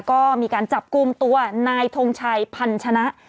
ก็มีการจับกลุ่มตัวนายทงชัยพันธนะ